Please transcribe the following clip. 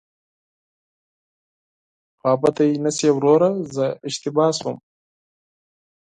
خفه نشې وروره، زه اشتباه شوم.